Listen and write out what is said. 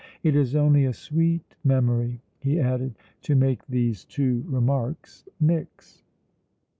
It is only a sweet memory," he added, to make these two remarks mix.